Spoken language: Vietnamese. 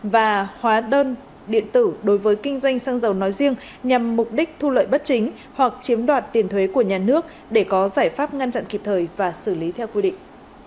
và hóa đơn điện tử đối với kinh doanh xăng dầu nói riêng nhằm mục đích thu lợi bất chính hoặc chiếm đoạt tiền thuế của nhà nước để có giải pháp ngăn chặn kịp thời và xử lý theo quy định